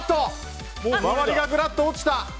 周りがぐらっと落ちた！